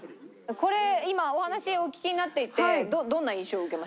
これ今お話お聞きになっていてどんな印象を受けましたか？